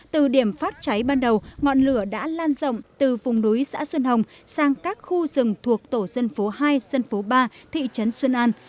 từ điểm phát cháy ban đầu ngọn lửa đã lan rộng từ vùng núi xã xuân hồng sang các khu rừng thuộc tổ dân phố hai dân phố ba thị trấn xuân an